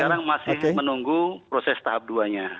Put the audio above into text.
sekarang masih menunggu proses tahap dua nya